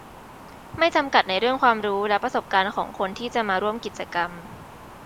ไม่จำกัดในเรื่องความรู้และประสบการณ์ของคนที่จะมาร่วมกิจกรรม